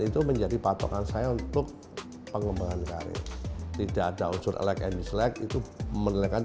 itu menjadi patokan saya untuk pengembangan karya tidak ada unsur elek elek itu menilai